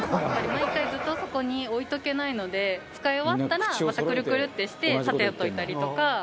毎回ずっとそこに置いておけないので使い終わったらまたクルクルってして立てておいたりとか。